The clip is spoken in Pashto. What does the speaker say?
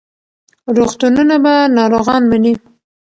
روغتونونه به ناروغان مني.